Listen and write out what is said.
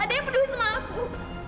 ada yang peduli sama aku